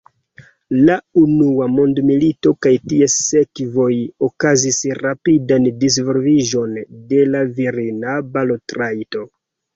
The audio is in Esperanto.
La unua mondmilito kaj ties sekvoj kaŭzis rapidan disvolviĝon de la virina balotrajto.